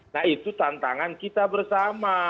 nah itu tantangan kita bersama